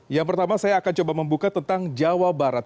yang pertama saya akan coba membuka tentang jawa barat